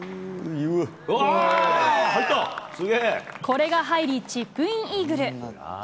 これが入り、チップインイーグル。